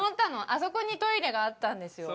あそこにトイレがあったんですよ。